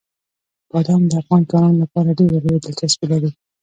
بادام د افغان ځوانانو لپاره ډېره لویه دلچسپي لري.